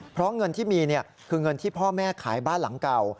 เพราะเงินที่มีคือเงินที่พ่อแม่ขายบ้านหลังเก่า